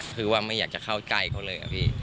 คือว่าไม่อยากจะเข้าใจเขาเลยอะพี่